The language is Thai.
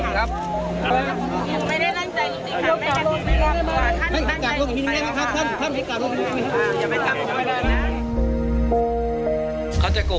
มือครับมือครับ